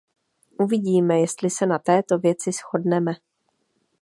Uvidíme, jestli se na této věci shodneme.